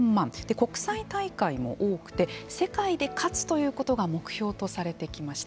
国際大会も多くて世界で勝つということが目標とされてきました。